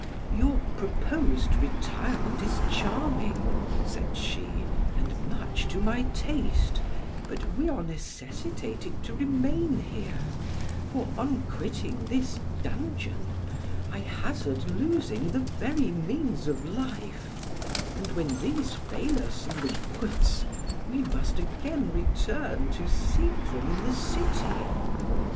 "Your proposed retirement is charming," said she, "and much to my taste, but we are necessitated to remain here, for, on quitting this dungeon, I hazard losing the very means of life, and when these fail us in the woods, we must again return to seek them in the city.